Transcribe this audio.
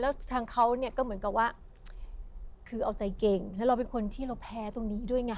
แล้วทางเขาเนี่ยก็เหมือนกับว่าคือเอาใจเก่งแล้วเราเป็นคนที่เราแพ้ตรงนี้ด้วยไง